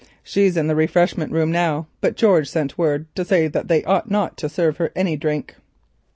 She is in the refreshment room now, but George sent word to say that they ought not to serve her with any drink."